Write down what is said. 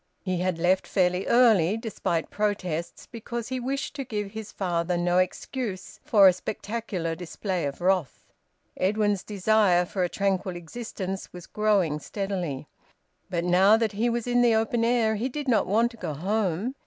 He had left fairly early, despite protests, because he wished to give his father no excuse for a spectacular display of wrath; Edwin's desire for a tranquil existence was growing steadily. But now that he was in the open air, he did not want to go home.